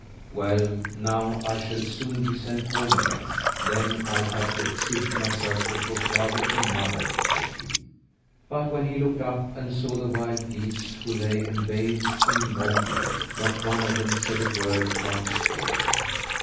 "Well, now I shall soon be sent home again! Then I'll have to exhibit myself before father and mother," thought he. But when he looked up and saw the wild geese, who lay and bathed in Vomb Lake not one of them said a word about his going.